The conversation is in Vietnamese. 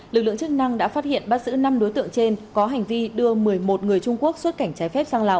lực lượng chức năng đã phát hiện bắt giữ năm đối tượng trên có hành vi đưa một mươi một người trung quốc xuất cảnh trái phép sang lào